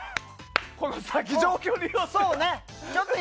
この先、状況によっては。